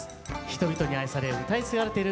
人々に愛されうたい継がれている民謡。